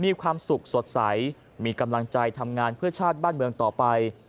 มีความสุขสดใสมีกำลังใจทำงานเพื่อชาติบ้านเมืองต่อไป